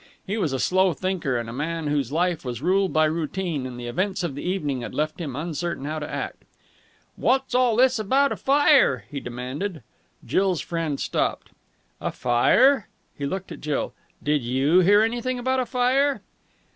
He was a slow thinker and a man whose life was ruled by routine, and the events of the evening had left him uncertain how to act. "Wot's all this about a fire?" he demanded. Jill's friend stopped. "A fire?" He looked at Jill. "Did you hear anything about a fire?"